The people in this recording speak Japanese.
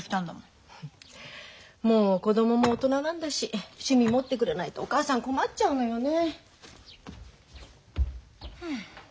もう子供も大人なんだし趣味持ってくれないとお母さん困っちゃうのよね。